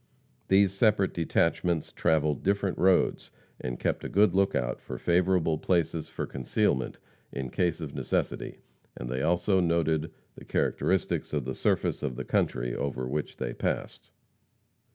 These separate detachments travelled different roads, and kept a good lookout for favorable places for concealment in case of necessity, and they also noted the characteristics of the surface of the country over which they passed.